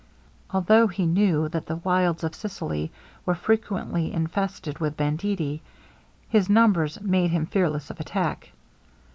Although he knew that the wilds of Sicily were frequently infested with banditti, his numbers made him fearless of attack.